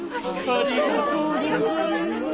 ありがとうございます。